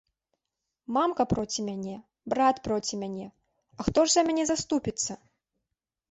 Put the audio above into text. Мамка проці мяне, брат проці мяне, а хто ж за мяне заступіцца?